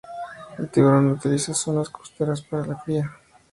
El tiburón utiliza zonas costeras para la cría.